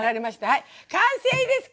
はい完成です！